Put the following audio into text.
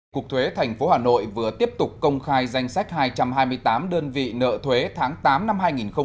cục thuế tp hà nội vừa tiếp tục công khai danh sách hai trăm hai mươi tám đơn vị nợ thuế tháng tám năm hai nghìn một mươi chín